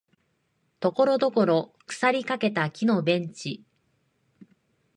ところどころ腐りかけた木のベンチ